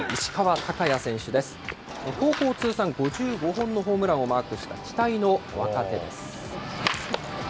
高校通算５５本のホームランをマークした期待の若手です。